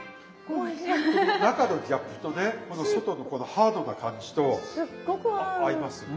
中のギャップとね外のこのハードな感じと合いますよね。